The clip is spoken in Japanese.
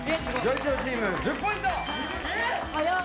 流星チーム１０ポイント。